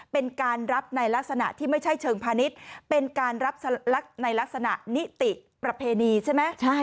เป็นการรับในลักษณะที่ไม่ใช่เชิงพาณิชย์เป็นการรับในลักษณะนิติประเพณีใช่ไหม